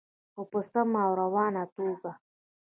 خو په سمه او روانه توګه.